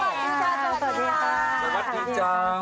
สวัสดีจ้าว